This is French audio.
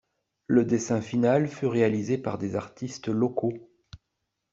Le dessin final fut réalisé par des artistes locaux.